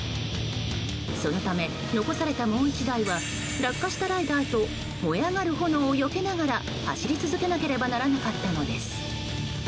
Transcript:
そのため、残されたもう１台は落下したライダーと燃え上がる炎をよけながら走り続けなければならなかったのです。